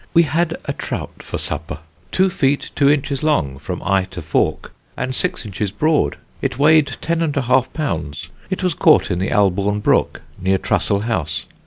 We had a trout for supper, two feet two inches long from eye to fork, and six inches broad; it weighed ten and a half pounds. It was caught in the Albourne Brook, near Trussell House....